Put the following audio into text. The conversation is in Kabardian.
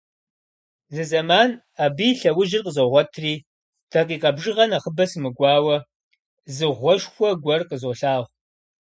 Зы зэман абы и лъэужьыр къызогъуэтри, дакъикъэ бжыгъэ нэхъыбэ сымыкӀуауэ, зы гъуэшхуэ гуэр къызолъагъу.